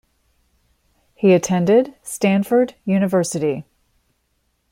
He attended Stanford University.